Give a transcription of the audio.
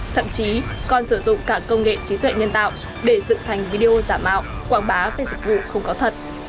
thậm chí còn sử dụng cả công nghệ trí tuệ nhân tạo để dựng thành video giả mạo quảng bá về dịch vụ không có thật